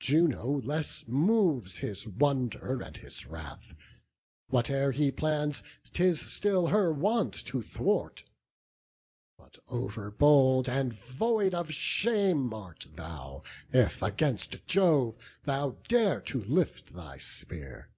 Juno less moves his wonder and his wrath; Whate'er he plans, 'tis still her wont to thwart; But over bold and void of shame art thou, If against Jove thou dare to lift thy spear."